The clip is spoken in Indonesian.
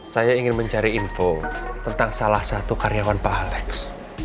saya ingin mencari info tentang salah satu karyawan pak alex